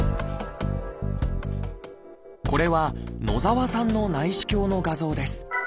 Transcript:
これは野澤さんの内視鏡の画像です。